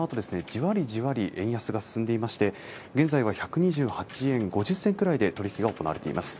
じわりじわり円安が進んでいまして現在は１２８円５０銭くらいで取り引きが行われています